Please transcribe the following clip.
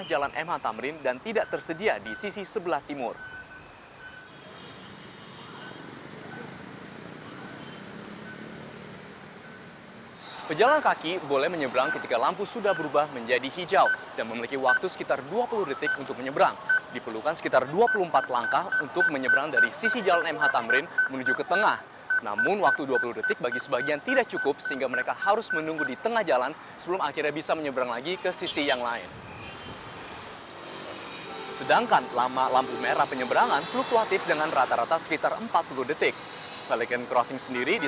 jembatan penyeberangan orang